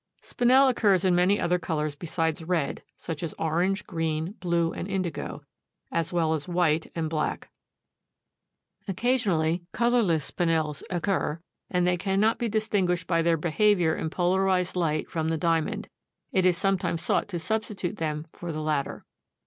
Spinel occurs in many other colors besides red, such as orange, green, blue and indigo, as well as white and black. Occasionally colorless Spinels occur, and as they cannot be distinguished by their behavior in polarized light from the diamond, it is sometimes sought to substitute them for the latter.